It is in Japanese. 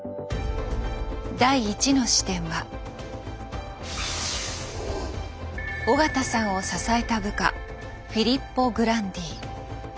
第１の視点は緒方さんを支えた部下フィリッポ・グランディ。